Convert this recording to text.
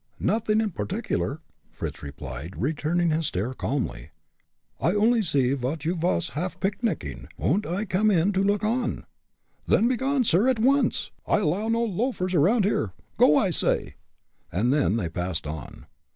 "Nothing in particular," Fritz replied, returning his stare, calmly. "I only see vot you vas haff a pic nig, und I come in to look on." "Then begone, sir, at once! I allow no loafers around here. Go, I say!" and then they passed on.